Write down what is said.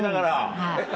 はい。